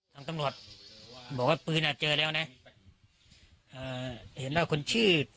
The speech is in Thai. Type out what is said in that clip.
ทางตำรวจบอกว่าปืนอ่ะเจอแล้วนะอ่าเห็นว่าคนชื่อ